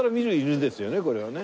これはね。